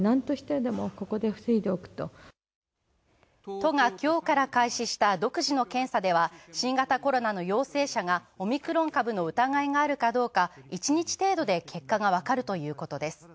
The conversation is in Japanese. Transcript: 都が今日から開始した独自の検査では新型コロナの陽性者がオミクロン株の疑いがあるかどうか１日程度で結果が分かるということです。